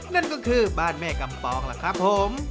นั่นก็คือบ้านแม่กำปองล่ะครับผม